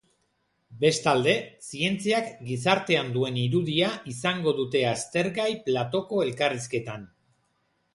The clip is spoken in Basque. Bestalde, zientziak gizartean duen irudia izango dute aztergai platoko elkarrizketan.